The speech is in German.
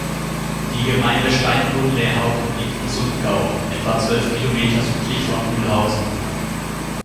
Die Gemeinde Steinbrunn-le-Haut liegt im Sundgau, etwa zwölf Kilometer südlich von Mülhausen.